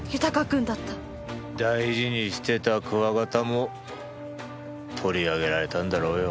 大事にしてたクワガタも取り上げられたんだろうよ。